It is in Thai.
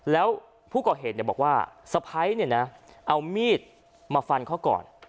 แล้วผู้ก่อเหตุบอกว่าสะพ้ายเนี่ยนะเอามีดมาฟันเขาก่อน